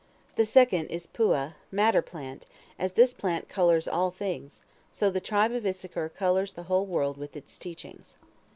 The second is Puah, "madder plant"; as this plant colors all things, so the tribe of Issachar colors the whole world with its teachings.